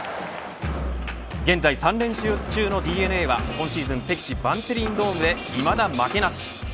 現在３連勝中のＤｅＮＡは今シーズン敵地バンテリンドームでいまだ負けなし。